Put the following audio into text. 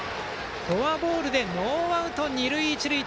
フォアボールでノーアウト二塁一塁。